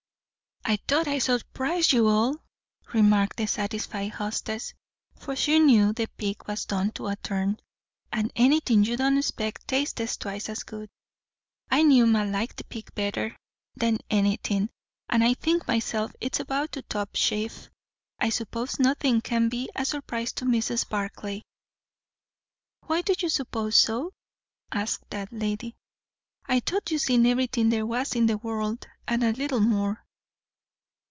"I thought I'd surprise you all," remarked the satisfied hostess; for she knew the pig was done to a turn; "and anything you don't expect tastes twice as good. I knew ma' liked pig better'n anything; and I think myself it's about the top sheaf. I suppose nothin' can be a surprise to Mrs. Barclay." "Why do you suppose so?" asked that lady. "I thought you'd seen everything there was in the world, and a little more."